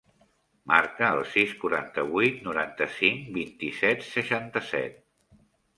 Marca el sis, quaranta-vuit, noranta-cinc, vint-i-set, seixanta-set.